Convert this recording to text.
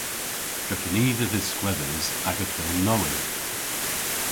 Drefen i dhe dhiskwedhes aga fylm nowydh.